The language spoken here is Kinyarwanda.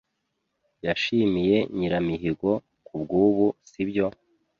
Washimiye Nyiramihigo kubwubu, sibyo?